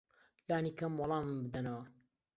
لانی کەم وەڵامم بدەنەوە.